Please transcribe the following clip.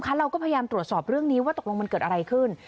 เราก็พยายามตรวจสอบเรื่องนี้ว่าตกลงมันเกิดอะไรขึ้น